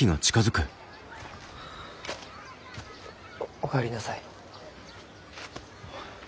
おお帰りなさい。